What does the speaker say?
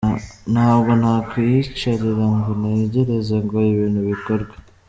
Ntabwo nakwiyicarira ngo ntegereze ngo ibintu bikorwe.